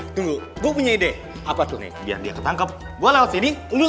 tunggu gue punya ide apa tuh nih biar dia ketangkap gua laut ini untuk